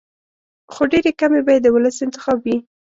خو ډېرې کمې به یې د ولس انتخاب وي.